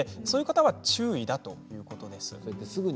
こういう人は注意ということです。